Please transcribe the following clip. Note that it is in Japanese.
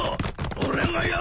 俺がやる！